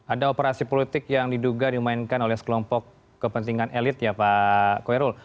ada operasi politik yang diduga dimainkan oleh sekelompok kepentingan elit ya pak koirul